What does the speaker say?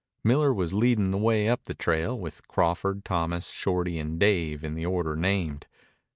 Miller was leading the way up the trail, with Crawford, Thomas, Shorty, and Dave in the order named.